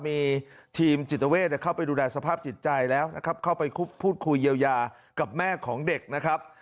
มีทีมจิตเวทเข้าไปดูแลสภาพจิตใจแล้วนะครับเข้าไปพูดคุยเยียวยากับแม่ของเด็กนะครับ